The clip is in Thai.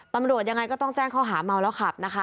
ตำรวจยังไงก็ต้องแจ้งข้อหาเมาแล้วขับนะคะ